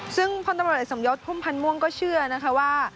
ซึ่งพรรณบริสมยศพุ่มพันธ์ม่วงก็เชื่อนะคะว่า